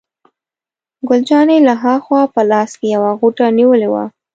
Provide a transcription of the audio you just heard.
ګل جانې له ها خوا په لاس کې یوه غوټه نیولې وه.